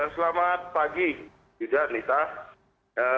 selamat pagi judanita